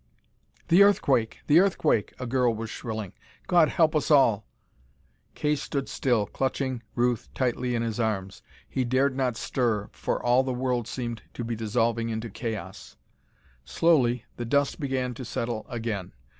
"The earthquake! The earthquake!" a girl was shrilling. "God help us all!" Kay stood still, clutching Ruth tightly in his arms. He dared not stir, for all the world seemed to be dissolving into chaos. Slowly the dust began to settle again.